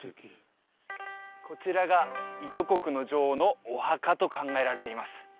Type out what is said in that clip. こちらが伊都国の女王のお墓と考えられています